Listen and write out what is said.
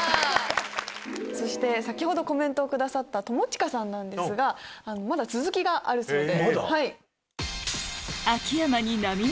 先ほどコメントを下さった友近さんなんですがまだ続きがあるそうで。